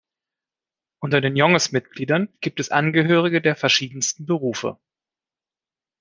Unter den Jonges-Mitgliedern gibt es Angehörige der verschiedensten Berufe.